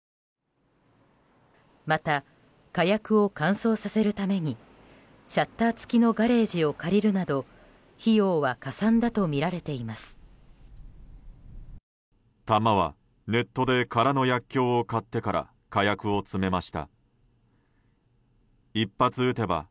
また、火薬を乾燥させるためにシャッター付きのガレージを借りるなど費用はかさんだとみられています。